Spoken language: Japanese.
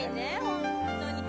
本当に。